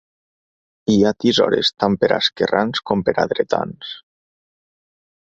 Hi ha tisores tant per a esquerrans com per a dretans.